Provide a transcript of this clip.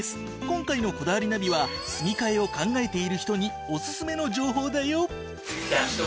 今回の『こだわりナビ』は住み替えを考えている人におすすめの情報だよ。